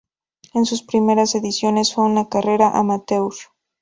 En sus primeras ediciones fue una carrera amateur.